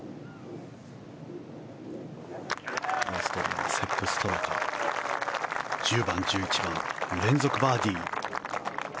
オーストリアのセップ・ストラカ１０番、１１番連続バーディー。